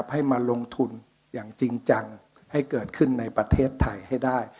ให้มาลงทุนอย่างจริงจังให้เกิดขึ้นในประเทศไทยให้ได้